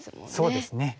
そうですね。